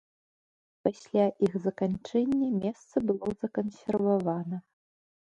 Пасля іх заканчэння месца было закансервавана.